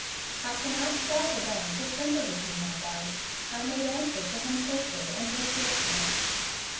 "I cannot sell the lands of timber with you, my Buzz," I made answer to him quickly and with fierceness.